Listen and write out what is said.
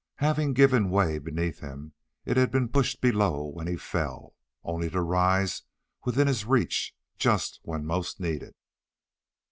Having given way beneath him, it had been pushed below when he fell, only to rise within his reach just when most needed.